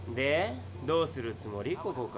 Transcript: どうするつもり？